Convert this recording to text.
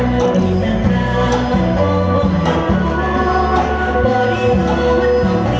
สวัสดีครับ